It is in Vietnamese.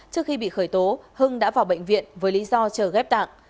trước khi bị khởi tố hưng đã vào bệnh viện với lý do chờ ghép tạng